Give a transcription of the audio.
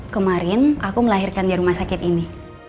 kemarin aku melahirkan di rumah sakit ini